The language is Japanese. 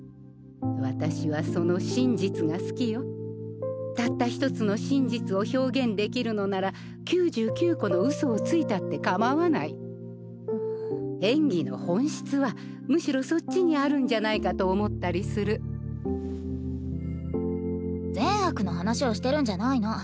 私はその真実が好きよたった１つの真実を表現できるのなら９９個のうそをついたってかまわないんっ演技の本質はむしろそっちにあるんじゃないかと思ったりする善悪の話をしてるんじゃないの。